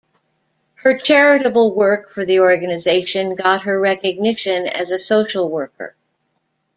Her charitable work for the organisation got her recognition as a social worker.